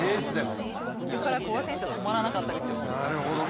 ここから古賀選手は止まらなかったですよ。なるほど。